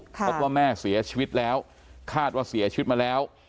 พบว่าแม่เสียชีวิตแล้วคาดว่าเสียชีวิตมาแล้ว